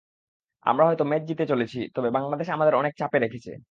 আমরা হয়তো ম্যাচ জিতে চলেছি, তবে বাংলাদেশ আমাদের অনেক চাপে রেখেছে।